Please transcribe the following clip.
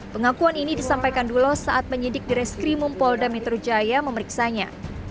pengakuan ini disampaikan dulo saat menyidik di reskrimum polda metro jaya memeriksanya